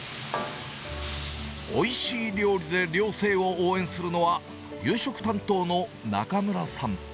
おいしい料理で寮生を応援するのは、夕食担当の中村さん。